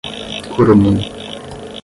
kurumin